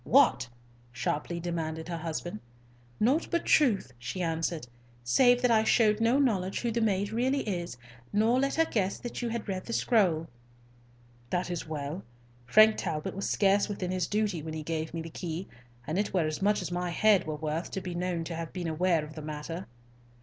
"What?" sharply demanded her husband. "Nought but truth," she answered, "save that I showed no knowledge who the maid really is, nor let her guess that you had read the scroll." "That is well. Frank Talbot was scarce within his duty when he gave me the key, and it were as much as my head were worth to be known to have been aware of the matter."